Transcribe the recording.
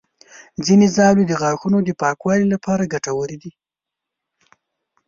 ځینې ژاولې د غاښونو د پاکوالي لپاره ګټورې دي.